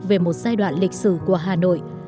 về một giai đoạn lịch sử của hà nội